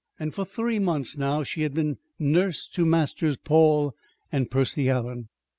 For three months now she had been nurse to Masters Paul and Percy Allen.